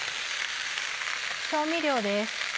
調味料です。